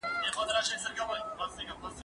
زه اوس د کتابتون د کار مرسته کوم؟!